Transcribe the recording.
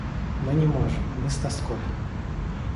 Мы не можем, мы с тоской.